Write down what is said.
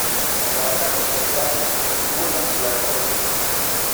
La capitalidad estuvo en la ciudad de Osma.